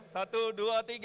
satu dua tiga